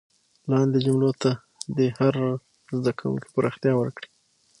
لاندې جملو ته دې هر زده کوونکی پراختیا ورکړي.